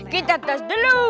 kita tas dulu